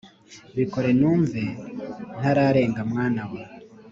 bikore numve ntararenga mwana wa